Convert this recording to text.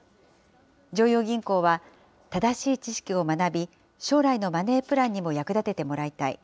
常陽銀行は、正しい知識を学び、将来のマネープランにも役立ててもらいたい。